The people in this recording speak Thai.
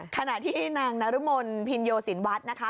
ขณะที่นางนรมนพินโยสินวัฒน์นะคะ